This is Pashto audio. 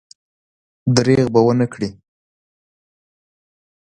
درېغ به ونه کړي.